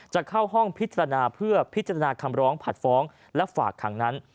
จะเข้าห้องพิจารณาเพื่อพิจารณาคำร้องผัดฟ้องและฝากขังนั้น